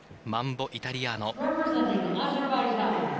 「マンボ・イタリアーノ」。